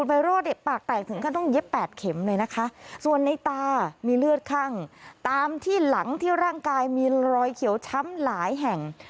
เป็นรอยเขียวช้ำหลายแห่ง